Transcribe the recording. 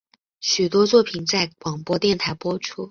许多作品在广播电台播出。